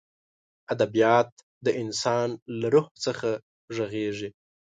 ادبیات د انسان له روح څخه غږېږي.